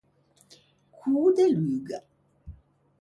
Cô de l’uga.